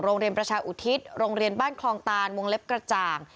โรงเรียนประชาอุทิศโรงเรียนบ้านคลองตานวงเล็บกระจ่าง